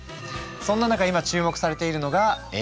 そんな中今注目されているのがＡＩ。